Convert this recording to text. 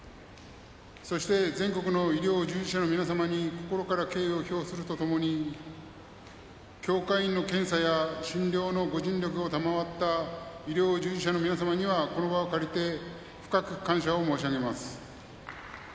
そして全国の医療従事者の皆様に心から敬意を表するとともに協会員の検査や診療のご尽力を賜った医療従事者の皆様にはこの場を借りて深く感謝申し上げます。